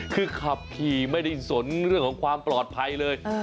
คือขับขี่ไม่ได้สนเรื่องของความปลอดภัยเลย